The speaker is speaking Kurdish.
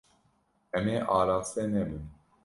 Em ê araste nebin.